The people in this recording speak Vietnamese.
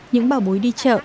những bảo bối đi chợ